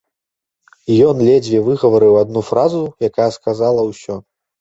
І ён ледзьве выгаварыў адну фразу, якая сказала ўсё.